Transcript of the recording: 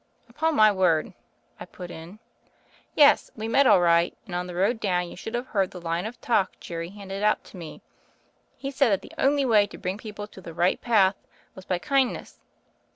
"Upon my word," I put in. "Yes, we met all right; and on the road down you should have heard the line of talk Jerry handed out to me. He said that the only way to bring people to the right path was by kind ness.